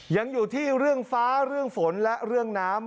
ยังอยู่ที่เรื่องฟ้าเรื่องฝนและเรื่องน้ำ